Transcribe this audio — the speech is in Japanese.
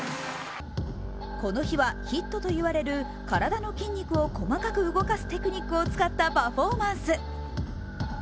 この日はヒットと言われる体の筋肉を細かく動かすテクニックを使ったパフォーマンス。